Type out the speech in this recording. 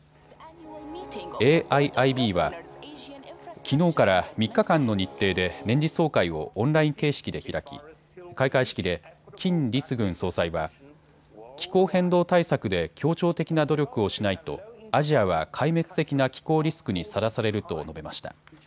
ＡＩＩＢはきのうから３日間の日程で年次総会をオンライン形式で開き開会式で金立群総裁は気候変動対策で協調的な努力をしないとアジアは壊滅的な気候リスクにさらされると述べました。